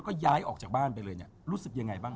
ก็ย้ายออกจากบ้านไปเลยเนี่ยรู้สึกยังไงบ้าง